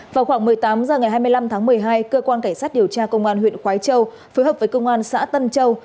vào khoảng một mươi tám h ngày hai mươi năm tháng một mươi hai cơ quan cảnh sát điều tra công an huyện khói châu phối hợp với công an xã tân châu